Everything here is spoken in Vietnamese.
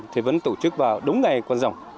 thì vẫn tổ chức vào đúng ngày quan dòng